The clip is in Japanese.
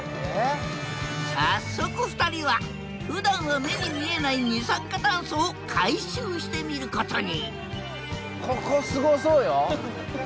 早速２人はふだんは目に見えない二酸化炭素を回収してみることに！